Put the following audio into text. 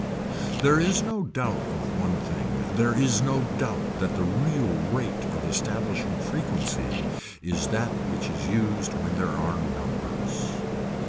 There is no doubt of one thing there is no doubt that the real rate of establishing frequency is that which is used when there are numbers.